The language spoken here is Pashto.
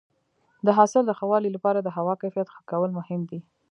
د حاصل د ښه والي لپاره د هوا کیفیت ښه کول مهم دي.